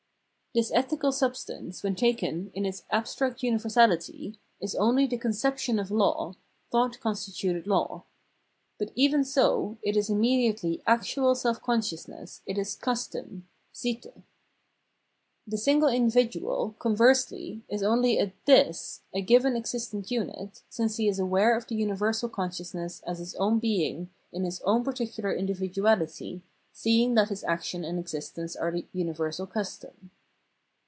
This ethical substance when taken in its abstract univer sality is only the conception of law, thought constituted law ; but even so it is immediately actual self conscious ness, it is Custom (Sitte). The single individual, con versely, is only a " this," a given existent unit, since he is aware of the universal consciousness as his own being in his own particular individuahty, seeing that his action and existence are the universal custom.